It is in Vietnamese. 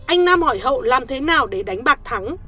anh nam hỏi hậu làm thế nào để đánh bạc thắng